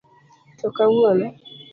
To kawuono?